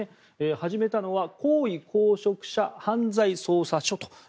始めたのは高位公職者犯罪捜査処。